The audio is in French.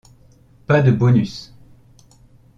Pas de bonus.